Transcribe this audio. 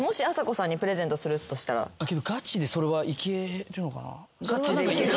けどガチでそれはいけるのかな？